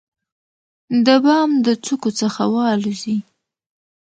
د بام د څوکو څخه والوزي،